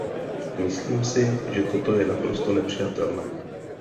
Myslím si, že toto je naprosto nepřijatelné.